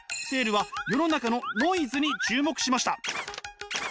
セールは世の中のノイズに注目しました。